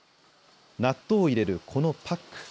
納豆を入れるこのパック。